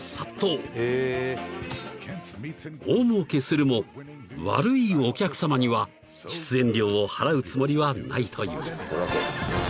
［大もうけするも悪いお客さまには出演料を払うつもりはないという］